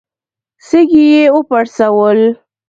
سږي يې وپړسول.